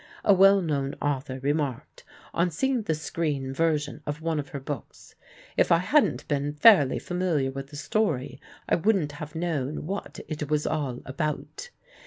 A well known author remarked, on seeing the screen version of one of her books: "If I hadn't been fairly familiar with the story I wouldn't have known what it was all about."